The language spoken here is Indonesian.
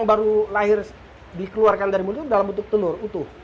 jadi baru lahir dikeluarkan dari mulut dalam bentuk telur utuh